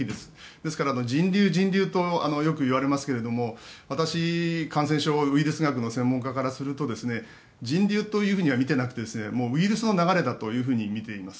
ですから人流、人流とよく言われますが私、感染症ウイルス学の専門家からすると人流というふうには見ていなくてウイルスの流れだと見ています。